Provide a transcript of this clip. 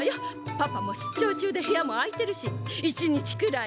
パパも出ちょう中で部屋も空いてるし１日くらい。